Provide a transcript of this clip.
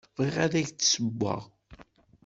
Bɣiɣ ad ak-d-ssewweɣ.